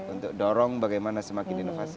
untuk dorong bagaimana semakin inovasi